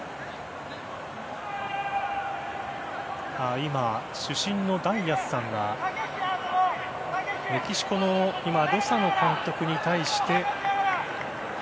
今、主審のダイアスさんがメキシコのロサノ監督に対して。